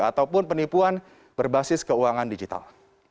ataupun penipuan berbasis keuangan digital